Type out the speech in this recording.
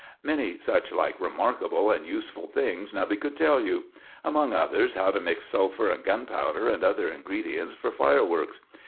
Many such like remarkable and useful things Nubby could tell you; among others, how to mix sulphur and gunpowder and other ingredients for fireworks.